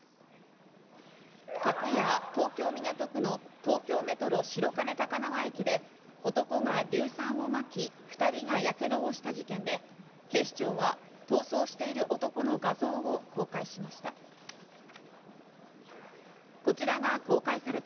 昨夜、東京・港区の東京メトロ白金高輪駅で男が硫酸をまき、２人がヤケドをした事件で、警視庁は逃走している男の画像を公開しました。